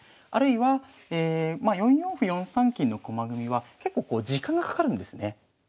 あるいは４四歩４三金の駒組みは結構時間がかかるんですね。